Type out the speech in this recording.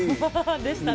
でしたね。